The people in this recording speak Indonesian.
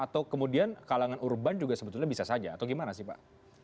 atau kemudian kalangan urban juga sebetulnya bisa saja atau gimana sih pak